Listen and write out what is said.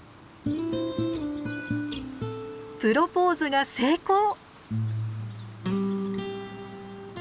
プロポーズが成功！